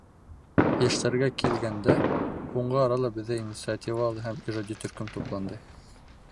Йәштәргә кил гәндә, һуңғы арала беҙҙә инициативалы һәм ижади төркөм тупланды.